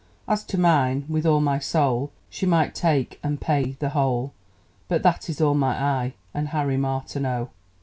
As to mine, with all my soul, She might take (and pay) the whole But that is all my eye and Harry Martineau!